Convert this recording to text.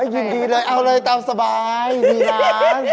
อยู่ดีเอาเลยตามสบายหยุดยี